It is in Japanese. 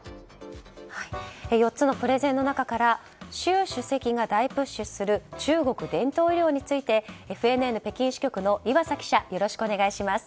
４つのプレゼンの中から習主席が大プッシュする中国伝統医療についてＦＮＮ北京支局の岩佐記者、よろしくお願いします。